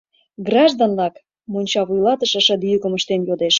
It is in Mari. Граждан-влак! — монча вуйлатыше шыде йӱкым ыштен йодеш.